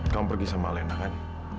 kamu pergi sama lena kan